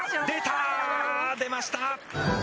出ました！